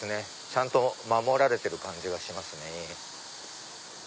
ちゃんと守られてる感じがしますね。